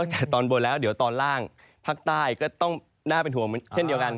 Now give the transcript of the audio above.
จากตอนบนแล้วเดี๋ยวตอนล่างภาคใต้ก็ต้องน่าเป็นห่วงเช่นเดียวกัน